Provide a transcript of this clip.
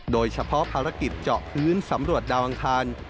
โดยเฉพาะภารกิจเจาะพื้นสำรวจดาวอังคาร